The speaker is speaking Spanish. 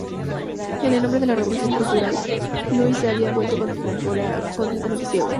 En el momento de la Revolución Cultural, Liu se había vuelto completamente ciego.